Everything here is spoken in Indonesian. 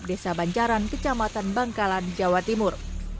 desa bancaran kecamatan bangkala di jawa timur